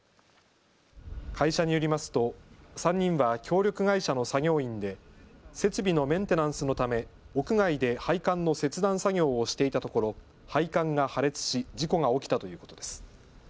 会社によりますと３人は協力会社の作業員で設備のメンテナンスのため屋外で配管の切断作業をしていたところ配管が破裂し事故が起きたということです。